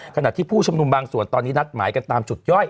ขณะที่ผู้ชุมนุมบางส่วนตอนนี้นัดหมายกันตามจุดย่อย